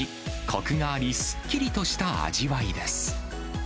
こくがあり、すっきりとした味わいです。